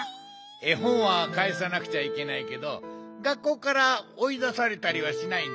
えほんはかえさなくちゃいけないけど学校からおいだされたりはしないんだよ。